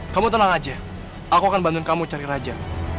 kamu tenang aja aku akan bantuin kamu cari raja